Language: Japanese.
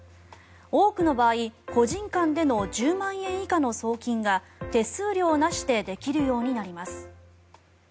多くの場合個人間での１０万円以下の送金が手数料なしでできるようになります。